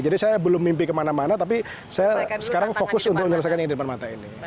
jadi saya belum mimpi kemana mana tapi saya sekarang fokus untuk menyelesaikan yang di depan mata ini